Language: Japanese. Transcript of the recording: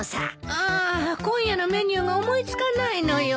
あ今夜のメニューが思い付かないのよ。